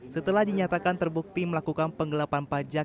setelah dinyatakan terbukti melakukan penggelapan pajak